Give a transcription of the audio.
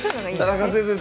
田中先生